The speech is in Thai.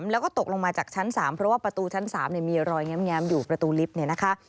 แล้วก็ตกลงมาจากชั้น๓เพราะว่าประตูชั้น๓มีรอยแง้มอยู่ประตูลิฟต์เนี่ยนะคะ